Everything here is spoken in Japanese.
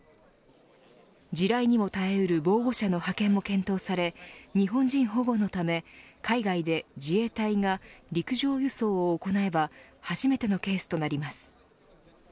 地雷にも耐えうる防護車の派遣も検討され日本人保護のため海外で自衛隊が陸上輸送を行えば初めてのケースとなります。